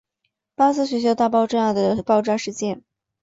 巴斯学校大爆炸的爆炸事件。